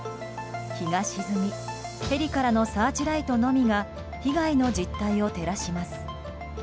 日が沈みヘリからのサーチライトのみが被害の実態を照らします。